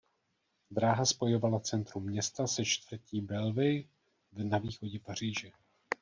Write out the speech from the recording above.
Dráha spojovala centrum města se čtvrtí Belleville na východě Paříže.